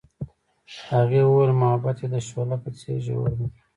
هغې وویل محبت یې د شعله په څېر ژور دی.